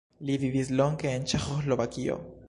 Li vivis longe en Ĉeĥoslovakio.